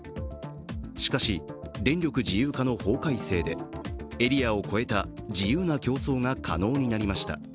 しかし、電力自由化の法改正でエリアを越えた自由な競争が可能になりました。